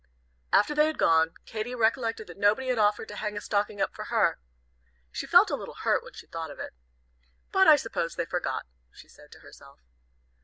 After they had gone, Katy recollected that nobody had offered to hang a stocking up for her. She felt a little hurt when she thought of it. "But I suppose they forgot," she said to herself.